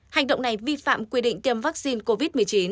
hành động này vi phạm quy định tiêm vaccine covid một mươi chín